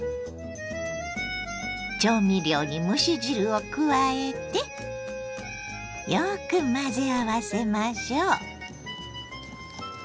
調味料に蒸し汁を加えてよく混ぜ合わせましょう。